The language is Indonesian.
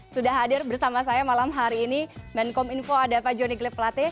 sudah hadir bersama saya malam hari ini menkom info ada pak joni gliplate